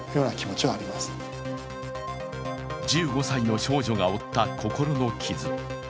１５歳の少女が負った心の傷。